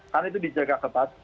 karena itu dijaga cepat